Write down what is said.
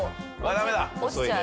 ダメだ！